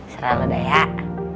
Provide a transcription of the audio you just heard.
serah lo dayak